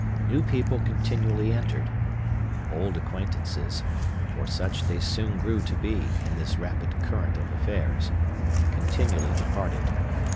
New people continually entered. Old acquaintances—for such they soon grew to be, in this rapid current of affairs—continually departed.